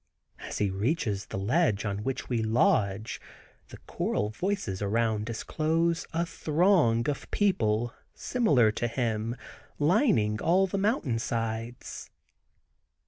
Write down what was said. As he reaches the ledge on which we lodge the choral voices around disclose a throng of people similar to him lining all the mountain sides.